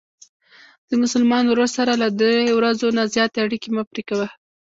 د مسلمان ورور سره له درې ورځو نه زیاتې اړیکې مه پری کوه.